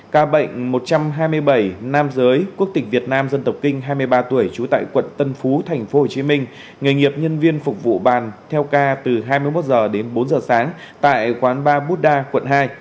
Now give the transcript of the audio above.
ca bệnh một trăm hai mươi bảy nam giới quốc tịch việt nam dân tộc kinh hai mươi ba tuổi trú tại quận tân phú tp hcm nghề nghiệp nhân viên phục vụ bàn theo ca từ hai mươi một h đến bốn h sáng tại quán ba bút đa quận hai